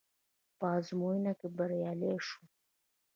په ازموينه کې بريالی شوم.